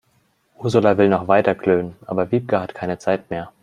Ursula will noch weiter klönen, aber Wiebke hat keine Zeit mehr.